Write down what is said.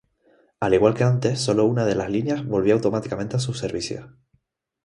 Al igual que antes, sólo una de las líneas volvió automáticamente a sus servicios.